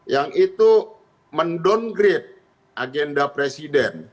yang itu mendowngrade agenda presiden